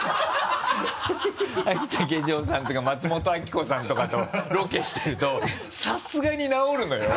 あき竹城さんとか松本明子さんとかとロケしてるとさすがに直るのよ。